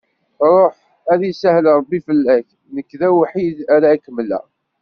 Ruḥ ad isahel Ṛebbi fell-ak, nekk d awḥid ara kemmleγ.